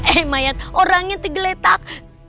eh mayat orangnya teh geletak